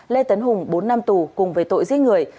lê tấn hùng bốn năm tù cùng với tội giết người